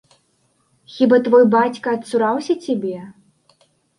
Хіба твой бацька адцураўся цябе?